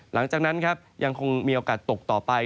หลังจากนั้นครับยังคงมีโอกาสตกต่อไป